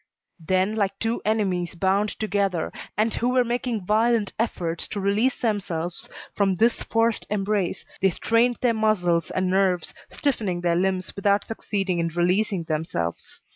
Then, like two enemies bound together, and who were making violent efforts to release themselves from this forced embrace, they strained their muscles and nerves, stiffening their limbs without succeeding in releasing themselves.